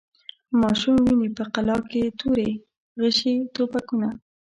ماشوم ویني په قلا کي توري، غشي، توپکونه